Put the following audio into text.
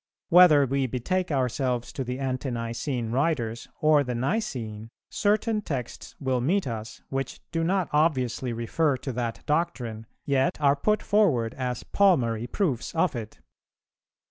Whether we betake ourselves to the Ante nicene writers or the Nicene, certain texts will meet us, which do not obviously refer to that doctrine, yet are put forward as palmary proofs of it.